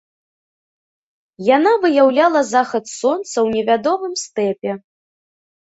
Яна выяўляла захад сонца ў невядомым стэпе.